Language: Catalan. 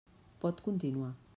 Pot continuar.